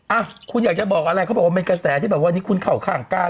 อ่ะคุณอยากจะบอกอะไรเขาบอกว่าเป็นกระแสที่แบบวันนี้คุณเข้าข้างการ